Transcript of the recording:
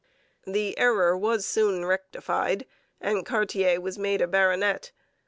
' The error was soon rectified and Cartier was made a baronet.